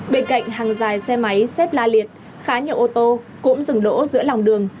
bên cạnh hàng dài xe máy xếp la liệt khá nhiều ô tô cũng dừng đỗ giữa lòng đường